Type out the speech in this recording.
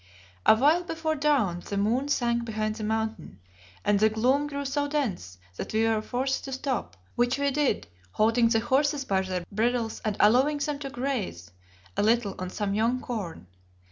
A while before dawn the moon sank behind the Mountain, and the gloom grew so dense that we were forced to stop, which we did, holding the horses by their bridles and allowing them to graze a little on some young corn.